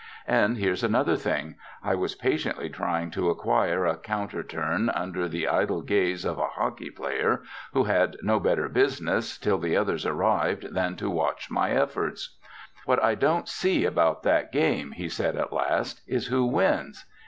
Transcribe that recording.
And here's another thing. I was patiently trying to acquire a counter turn under the idle gaze of a hockey player who had no better business till the others arrived than to watch my efforts. "What I don't see about that game," he said at last, "is who wins?"